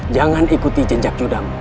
jangan ikuti jenjak judam